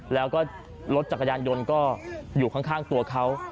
แล้วก็รถจักรยานยนต์ก็อยู่ข้างตัวเขา